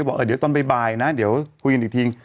บอกเดี๋ยวตอนบ่ายนะเดี๋ยวคุยกันอีกที